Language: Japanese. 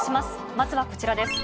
まずはこちらです。